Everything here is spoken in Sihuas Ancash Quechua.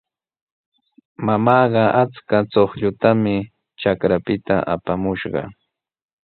Mamaaqa achka chuqllutami raqrapita apamushqa.